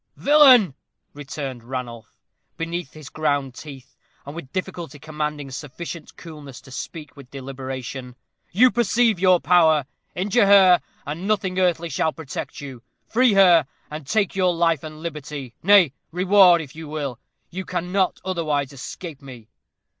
"Villain," returned Ranulph, between his ground teeth, and with difficulty commanding sufficient coolness to speak with deliberation, "you perceive your power. Injure her, and nothing earthly shall protect you. Free her, and take your life and liberty; nay, reward if you will. You cannot otherwise escape me."